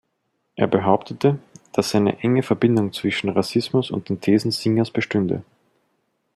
Er behauptete, dass eine enge Verbindung zwischen Rassismus und den Thesen Singers bestünde.